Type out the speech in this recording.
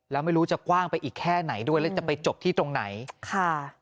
แล้วไม่รู้จะกว้างไปอีกแค่ไหนด้วยแล้วจะไปจบที่ตรงไหนค่ะ